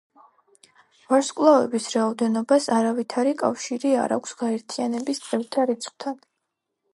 ვარსკვლავების რაოდენობას არავითარი კავშირი არ აქვს გაერთიანების წევრთა რიცხვთან.